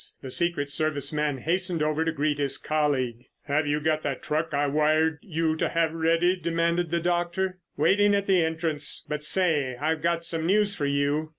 The secret service man hastened over to greet his colleague. "Have you got that truck I wired you to have ready?" demanded the doctor. "Waiting at the entrance; but say, I've got some news for you."